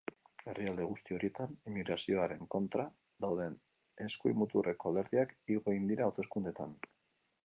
Herrialde guzti horietan inmigrazioaren kontra dauden eskuin muturreko alderdiak igo egin dira hauteskundeetan.